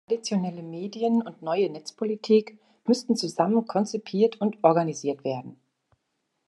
Traditionelle Medien- und neue Netzpolitik müssten zusammen konzipiert und organisiert werden.